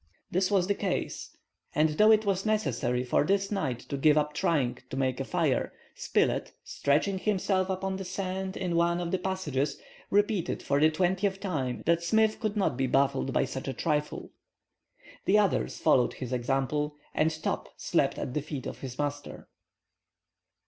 This was the case, and though it was necessary for this night to give up trying to make a fire, Spilett, stretching himself upon the sand in one of the passages, repeated for the twentieth time that Smith could not be baffled by such a trifle. The others followed his example, and Top slept at the feet of his master.